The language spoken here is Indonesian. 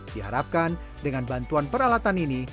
diharapkan dengan bantuan peralatan ini